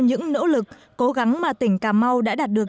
những nỗ lực cố gắng mà tỉnh cà mau đã đạt được